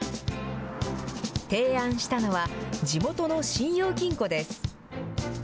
提案したのは、地元の信用金庫です。